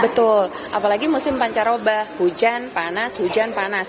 betul apalagi musim pancaroba hujan panas hujan panas